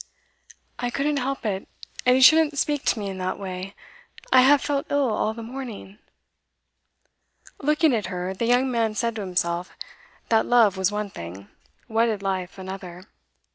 'I couldn't help it; and you shouldn't speak to me in that way. I have felt ill all the morning.' Looking at her, the young man said to himself, that love was one thing, wedded life another.